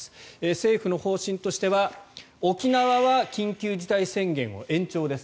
政府の方針としては沖縄は緊急事態宣言を延長です。